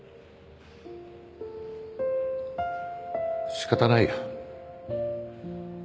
仕方ないよ。